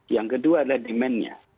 yang kedua adalah demand nya